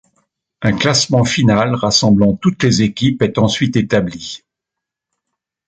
Un classement final rassemblant toutes les équipes est ensuite établi.